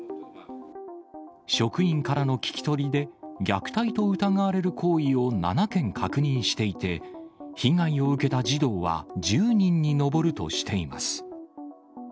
職員からの聞き取りで虐待と疑われる行為を７件確認していて、被害を受けた児童は１０人に上るとしています。